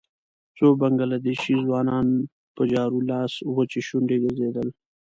څو بنګله دېشي ځوانان په جارو لاس وچې شونډې ګرځېدل.